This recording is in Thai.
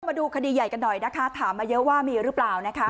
มาดูคดีใหญ่กันหน่อยนะคะถามมาเยอะว่ามีหรือเปล่านะคะ